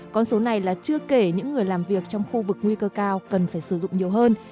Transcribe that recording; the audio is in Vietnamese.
con số này là chưa kể những người làm việc trong khu vực nguy cơ cao cần phải sử dụng nhiều hơn